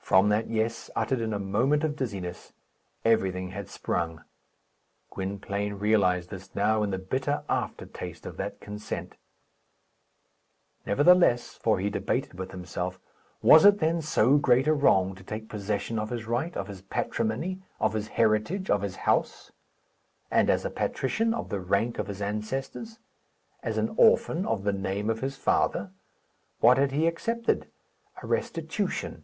From that "Yes," uttered in a moment of dizziness, everything had sprung. Gwynplaine realized this now in the bitter aftertaste of that consent. Nevertheless for he debated with himself was it then so great a wrong to take possession of his right, of his patrimony, of his heritage, of his house; and, as a patrician, of the rank of his ancestors; as an orphan, of the name of his father? What had he accepted? A restitution.